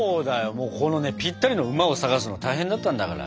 もうこのねぴったりの馬を探すの大変だったんだから。